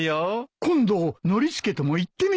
今度ノリスケとも行ってみるか。